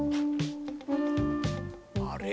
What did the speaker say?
あれ？